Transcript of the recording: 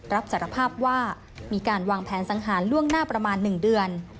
รับสารภาพว่ามีการวางแผนสังหารล่วงหน้าประมาณ๑เดือน